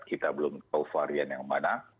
kita belum tahu varian yang mana